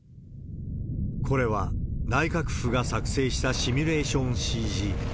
これは、内閣府が作成したシミュレーションＣＧ。